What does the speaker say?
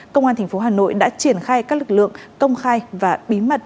công an tp hà nội đã triển khai các lực lượng công khai và bí mật